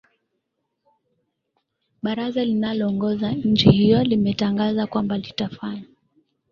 baraza linaloongoza nchi hiyo limetangaza kwamba litafanya